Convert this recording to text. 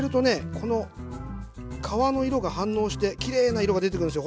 この皮の色が反応してきれいな色が出てくるんですよ